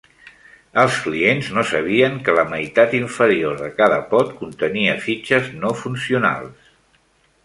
Els clients no sabien que la meitat inferior de cada pot contenia fitxes no funcionals.